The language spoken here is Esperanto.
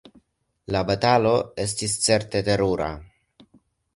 La batalo estis certe terura!